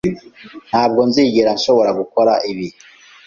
Ntabwo nzigera nshobora gukora ibi.